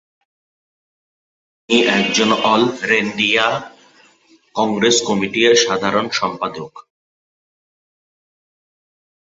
তিনি একজন all India Congress কমিটি-এর সাধারণ সম্পাদক।